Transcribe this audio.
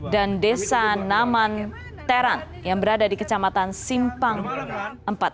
dan desa naman teran yang berada di kecamatan simpang iv